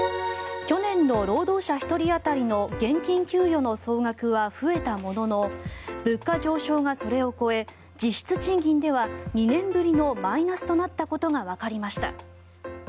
去年の労働者１人当たりの現金給与の総額は増えたものの物価上昇がそれを超え実質賃金では２年ぶりのマイナスとなったことがわかりました。